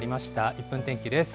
１分天気です。